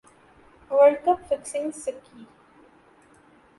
world cup fixing سکی